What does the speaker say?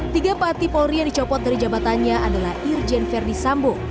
tiga pati polri yang dicopot dari jabatannya adalah irjen verdi sambo